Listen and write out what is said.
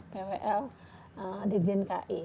pwl di jnki